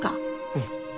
うん。